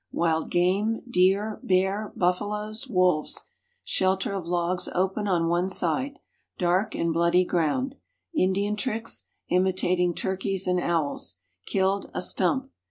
Wild game, deer, bear, buffaloes, wolves. Shelter of logs open on one side. "Dark and Bloody Ground." Indian tricks, imitating turkeys and owls. "Killed" a "stump."